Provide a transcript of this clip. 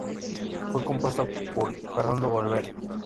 Fue compuesta por Fernando Olvera.